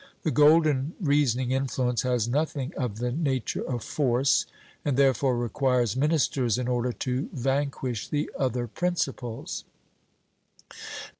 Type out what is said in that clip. The golden reasoning influence has nothing of the nature of force, and therefore requires ministers in order to vanquish the other principles.